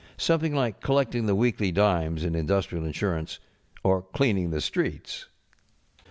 Something like collecting the weekly dimes in indus┬¼ trial insurance. Or cleaning the streets.